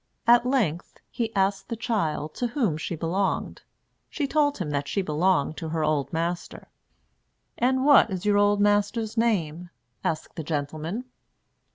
At length, he asked the child to whom she belonged. She told him that she belonged to her old master. "And what is your old master's name?" asked the gentleman.